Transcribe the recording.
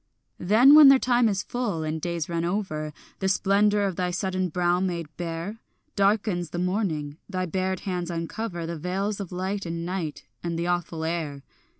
Then when their time is full and days run over, The splendour of thy sudden brow made bare Darkens the morning; thy bared hands uncover The veils of light and night and the awful air.